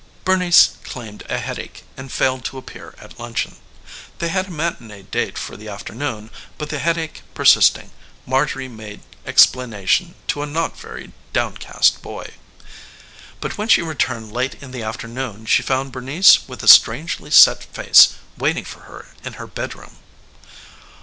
Bernice claimed a headache and failed to appear at luncheon. They had a matinée date for the afternoon, but the headache persisting, Marjorie made explanation to a not very downcast boy. But when she returned late in the afternoon she found Bernice with a strangely set face waiting for her in her bedroom.